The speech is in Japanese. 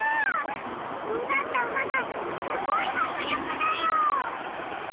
とんがったはがすごいはくりょくだよ！